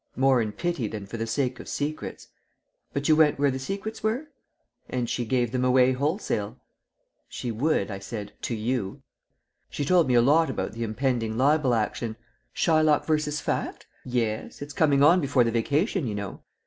"More in pity than for the sake of secrets." "But you went where the secrets were?" "And she gave them away wholesale." "She would," I said, "to you." "She told me a lot about the impending libel action." "Shylock v. Fact?" "Yes; it's coming on before the vacation, you know."